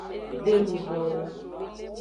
De luvowo.